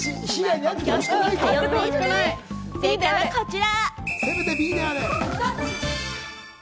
正解はこちら！